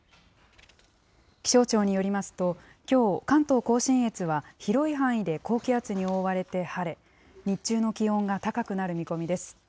気象庁によりますと、きょう関東甲信越は広い範囲で高気圧に覆われて晴れ、日中の気温が高くなる見込みです。